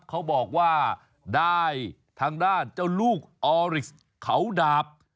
เขาบอกว่าได้ทางด้านเจ้าลูกออริสเขาดาบ